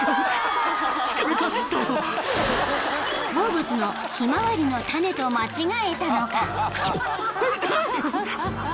［好物のヒマワリの種と間違えたのか］